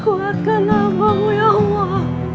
kuatkan nama mu ya allah